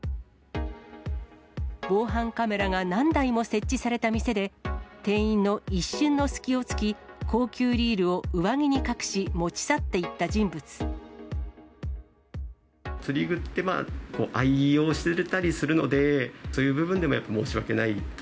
防犯カメラが何台も設置された店で、店員の一瞬の隙をつき、高級リールを上着に隠し、釣り具って、愛用していたりするので、そういう部分でもやっぱり申し訳ないと